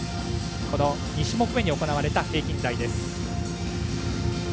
この２種目めに行われた平均台。